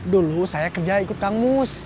dulu saya kerja ikut kang mus